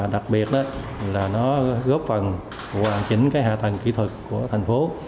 đặc biệt là nó góp phần hoàn chỉnh cái hạ tầng kỹ thuật của thành phố